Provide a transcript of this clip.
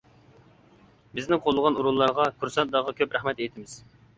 بىزنى قوللىغان ئورۇنلارغا، كۇرسانتلارغا كۆپ رەھمەت ئېيتىمىز.